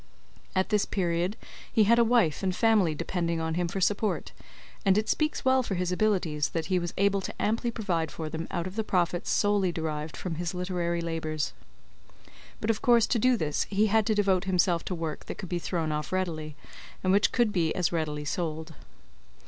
At this period he had a wife and family depending on him for support, and it speaks well for his abilities, that he was able to amply provide for them out of the profits solely derived from his literary labours. But of course to do this he had to devote himself to work that could be thrown off readily, and which could be as readily sold.